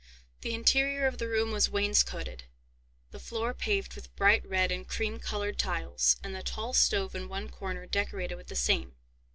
The interior of the room was wainscoted, the floor paved with bright red and cream coloured tiles, and the tall stove in one corner decorated with the same.